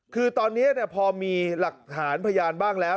คือตอนนี้พอมีหลักฐานพยานบ้างแล้ว